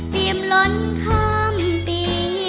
เปรียบล้นคำปี